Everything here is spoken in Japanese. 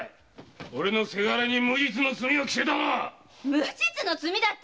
無実の罪だって？